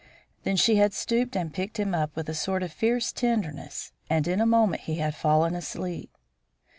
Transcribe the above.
Then she had stooped and picked him up with a sort of fierce tenderness and in a moment he had fallen asleep.